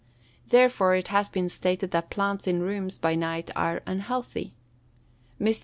Therefore it has been stated that plants in rooms by night are unhealthy. Mr.